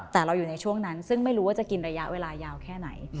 แต่เราอยู่ในช่วงนั้นซึ่งไม่รู้ว่าจะกินระยะเวลายาวแค่ไหน